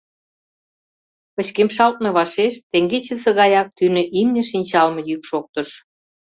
Пычкемышалтме вашеш теҥгечысе гаяк тӱнӧ имне шинчалме йӱк шоктыш.